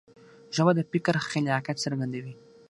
ژبه د فکر خلاقیت څرګندوي.